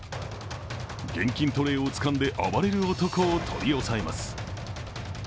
現金トレーをつかんで暴れる男を取り押さえます。